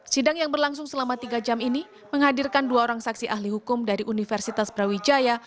sidang yang berlangsung selama tiga jam ini menghadirkan dua orang saksi ahli hukum dari universitas brawijaya